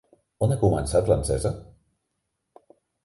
On ha començat l'encesa?